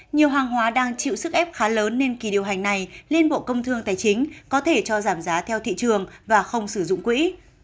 nhiều hàng hóa đang chịu sức ép khá lớn nên kỳ điều hành này liên bộ công thương tài chính có thể cho giảm giá theo thị trường và không sử dụng quỹ